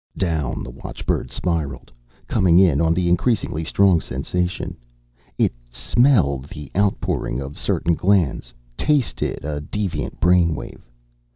Down the watchbird spiraled, coming in on the increasingly strong sensation. It smelled the outpouring of certain glands, tasted a deviant brain wave.